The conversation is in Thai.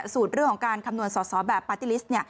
เรื่องของการคำนวณสอสอแบบปาร์ตี้ลิสต์